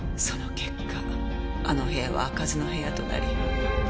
その結果あの部屋は開かずの部屋となり。